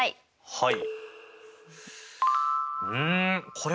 はい。